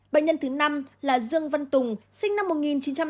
bệnh nhân thứ năm là dương văn tùng sinh năm một nghìn chín trăm tám mươi